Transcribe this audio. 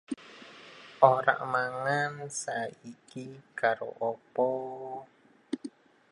This is said to give them courage and strength in battle.